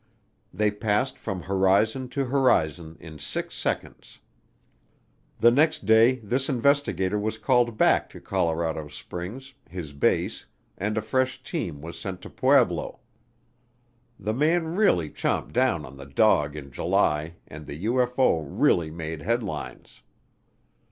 They passed from horizon to horizon in six seconds. The next day this investigator was called back to Colorado Springs, his base, and a fresh team was sent to Pueblo. The man really chomped down on the dog in July and the UFO really made headlines.